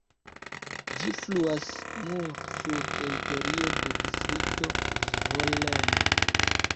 Ĝi fluas nur sur teritorio de Distrikto Zvolen.